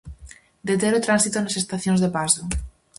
Deter o tránsito nas estacións de paso.